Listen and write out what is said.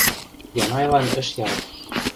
Янайлан ӹш яры.